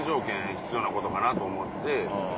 必要なことかなと思って。